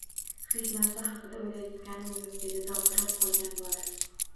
Hech narsa haqida oʻlayotganim yoʻq! – dedi dovdirab qolgan bola.